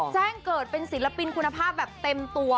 แจ้งเกิดเป็นศิลปินคุณภาพแบบเต็มตัว